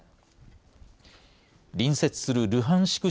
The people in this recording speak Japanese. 隣接するルハンシク